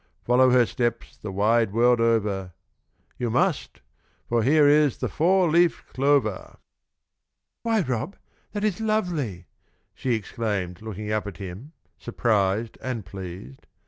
Follow her steps The wide world over; You must! for here is The four leaved clover." "Why, Rob, that is lovely!" she exclaimed, looking up at him, surprised and pleased.